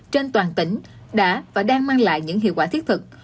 trên toàn tỉnh đã và đang mang lại những hiệu quả thiết thực